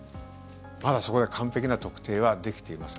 まだそこは完璧な特定はできていません。